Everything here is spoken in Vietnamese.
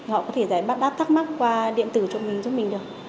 họ có thể giải bác đáp thắc mắc qua điện tử cho mình được